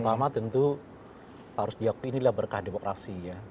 pertama tentu harus diakui inilah berkah demokrasi ya